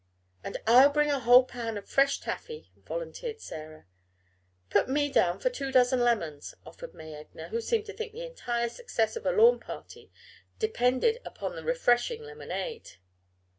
"And I'll bring a whole pan of fresh taffy," volunteered Sarah. "Put me down for two dozen lemons," offered May Egner, who seemed to think the entire success of a lawn party depended upon the refreshing lemonade.